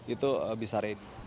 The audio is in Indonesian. itu bisa diperbaiki